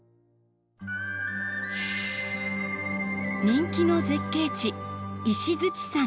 人気の絶景地石山。